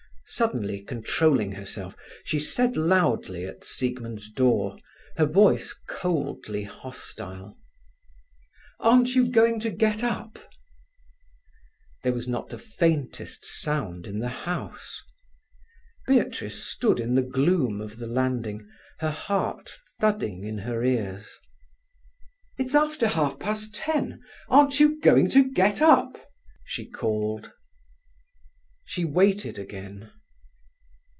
Suddenly controlling herself, she said loudly at Siegmund's door, her voice coldly hostile: "Aren't you going to get up?" There was not the faintest sound in the house. Beatrice stood in the gloom of the landing, her heart thudding in her ears. "It's after half past ten—aren't you going to get up?" she called. She waited again.